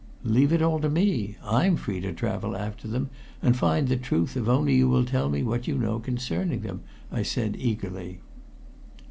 "Leave it all to me. I'm free to travel after them, and find out the truth if only you will tell me what you know concerning them," I said eagerly.